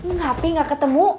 nggak pi nggak ketemu